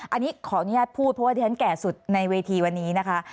อันนี้ขออนุญาตพูดเพราะว่าที่ฉันแก่สุดในเวทีวันนี้นะคะ